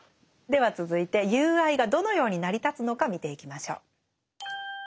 では続いて友愛がどのように成り立つのか見ていきましょう。